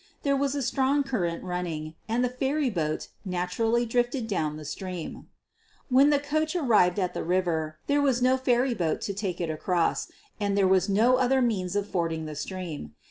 There was a strong current running and the ferry boat naturally drifted down the stream. "When the coach arrived at the river, there was no ferryboat to take it across, and there was no other means of fording the stream.